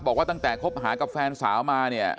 บอกว่าตั้งแต่คบหากับแฟนสาวมาเนี่ย